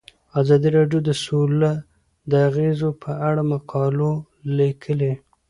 ازادي راډیو د سوله د اغیزو په اړه مقالو لیکلي.